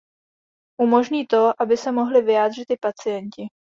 Umožní to, aby se mohli vyjádřit i pacienti.